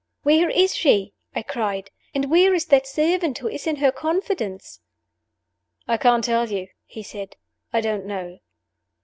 "Where is she?" I cried. "And where is that servant who is in her confidence?" "I can't tell you," he said. "I don't know."